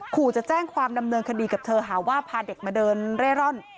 ขู่จะแจ้งความดำเนินคดีกับเธอหาว่าพาเด็กมาเดินเร่ร่อน